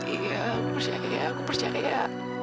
iya aku percaya aku percaya